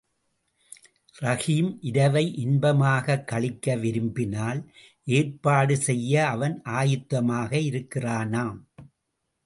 ரஹீம் இரவை இன்பமாகக் கழிக்க விரும்பினால் ஏற்பாடு செய்ய அவன் ஆயத்தமாக இருக்கிறானாம்.